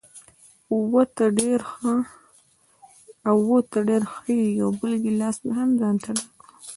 اوه، ته ډېره ښه یې، یو بل ګیلاس مې هم ځانته ډک کړ.